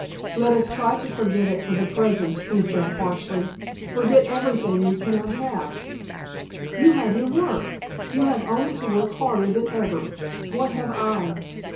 "Let us try to forget it for the present," he said harshly. "Forget everything we cannot have " "You have your work. You have only to work harder than ever. What have I?"